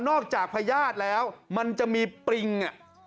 จากพญาติแล้วมันจะมีปริง